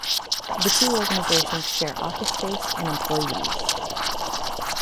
The two organizations share office space and employees.